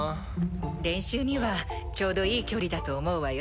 練習にはちょうどいい距離だと思うわよ。